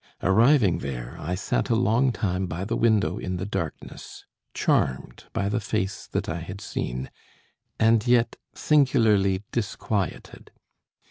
Arriving there, I sat a long time by the window in the darkness, charmed by the face that I had seen, and yet singularly disquieted.